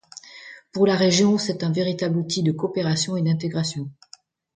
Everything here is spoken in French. Pour la région c'est un véritable outil de coopération et d'intégration.